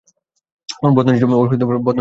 ওর বদ নজর ছিল এগুলোর ওপর।